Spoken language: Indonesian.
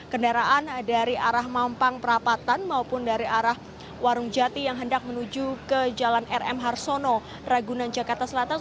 kendaraan dari arah mampang perapatan maupun dari arah warung jati yang hendak menuju ke jalan rm harsono ragunan jakarta selatan